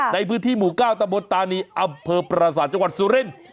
ในพื้นที่หมู่๙ตะบนตานีอำเภอปราศาสตร์จังหวัดสุรินทร์